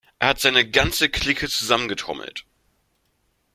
Er hat seine ganze Clique zusammengetrommelt.